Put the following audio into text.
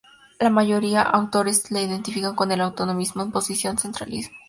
La mayoría autores lo identifican con el autonomismo en oposición al centralismo.